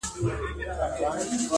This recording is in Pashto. چي دولت لرې ښاغلی یې هرچا ته,